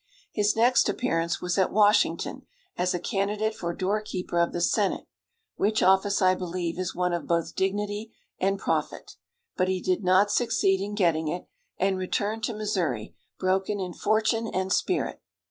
His next appearance was at Washington as a candidate for doorkeeper of the senate, which office, I believe, is one of both dignity and profit; but he did not succeed in getting it, and returned to Missouri, broken in fortune and spirit.